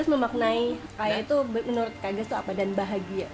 saya lebih pasti memilih bahagia bahagia dan bahagia